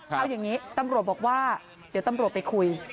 เอาอย่างนี้ตำรวจบอกว่าเดี๋ยวตำรวจไปคุย